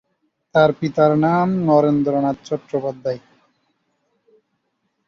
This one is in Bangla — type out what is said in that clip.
তার পিতার নাম নরেন্দ্রনাথ চট্টোপাধ্যায়।